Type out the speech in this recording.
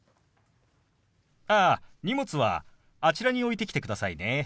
ああ荷物はあちらに置いてきてくださいね。